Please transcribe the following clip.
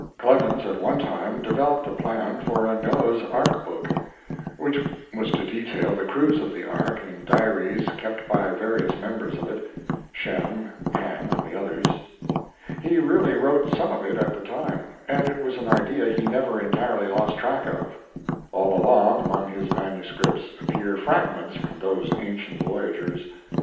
Clemens at one time developed a plan for a Noah's Ark book, which was to detail the cruise of the Ark in diaries kept by various members of it Shem, Ham, and the others. He really wrote some of it at the time, and it was an idea he never entirely lost track of. All along among his manuscripts appear fragments from those ancient voyagers.